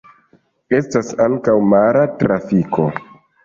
Estas ankaŭ mara trafiko.